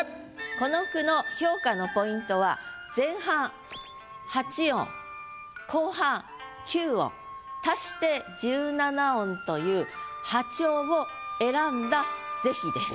この句の評価のポイントは前半８音後半９音足して１７音という破調を選んだ是非です。